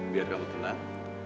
biar kamu tenang